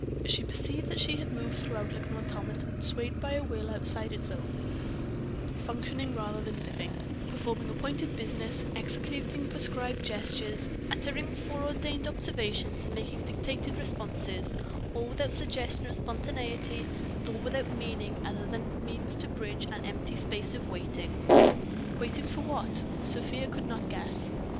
She perceived that she had moved throughout like an automaton swayed by a will outside its own; functioning rather than living; performing appointed business, executing prescribed gestures, uttering foreordained observations, and making dictated responses, all without suggestion of spontaneity, and all without meaning other than as means to bridge an empty space of waiting. Waiting for what? Sofia could not guess....